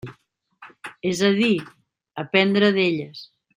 És a dir, aprendre d'elles.